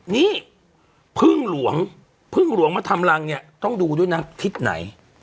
นี่พึ่งหลวงพึ่งหลวงมาทำรังเนี่ยต้องดูด้วยนะทิศไหน